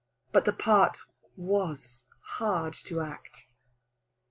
But the part was hard to act.